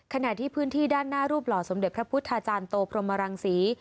ขณะที่พื้นที่ด้านหน้ารูปหล่อสมเด็จพระพุทธาจารย์โตพรหมรังศรี